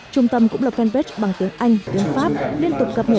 trung tâm cũng là fanpage bằng tiếng anh tiếng pháp liên tục gặp mẹ